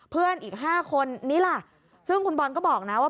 เพื่อนอีก๕คนนี้ล่ะซึ่งคุณบอลก็บอกนะว่า